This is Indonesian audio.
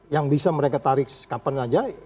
yang bisa mereka tarik kapan saja